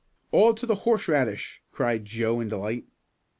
"All to the horse radish!" cried Joe in delight.